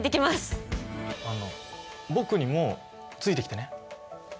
あの僕にもついてきてね。